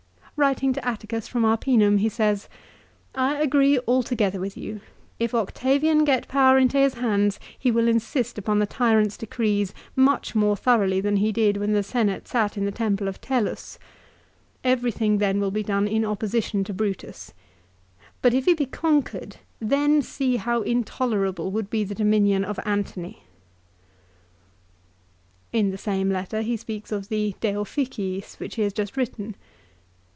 Writing to Atticus from Arpinum he says " I agree alto gether with you. If Octavian get power into his hands he will insist upon the tyrant's decrees, much more thoroughly than he did when the Senate sat in the temple of Tellus. Every thing then will be done in opposition to Brutus. But if he be conquered, then see how intolerable would be the 1 Horace, Odes, lib. iii. 30. THE PHILIPPICS. 247 dominion of Antony." l In the same letter he speaks of the " De Officiis," which he has just written.